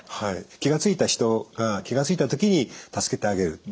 気が付いた人が気が付いた時に助けてあげる。